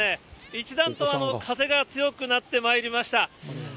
一段と風が強くなってまいりました。